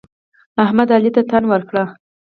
احمد؛ علي ته تن ورکړ.